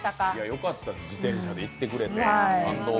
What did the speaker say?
よかったです、自転車で行ってくれて。